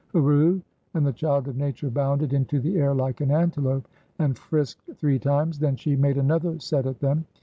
"Hurroo!" And the child of Nature bounded into the air like an antelope, and frisked three times; then she made another set at them.